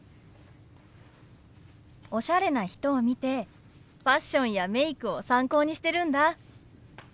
おしゃれな人を見てファッションやメイクを参考にしてるんだ。